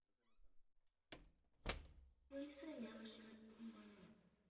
微睡眠和许多疾病关联。